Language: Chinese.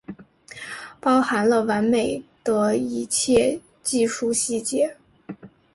包含了完美的一切技术细节